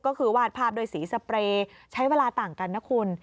ก็คือวาดภาพด้วยสีสเปรย์ใช้เวลาต่างกันนะคุณ